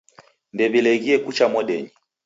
Ndew'ileghie kucha modenyi